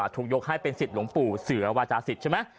ถูกยกให้เป็นสิทธิ์หลวงปู่เสือวาจาศิษย์ใช่ไหม